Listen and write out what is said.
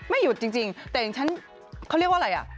หยุดจริงแต่อย่างฉันเขาเรียกว่าอะไรอ่ะ